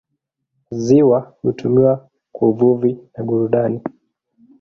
Ziwa hutumiwa kwa uvuvi na burudani.